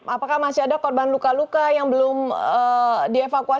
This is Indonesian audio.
apakah masih ada korban luka luka yang belum dievakuasi